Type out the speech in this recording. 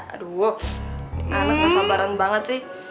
aduh anaknya sabaran banget sih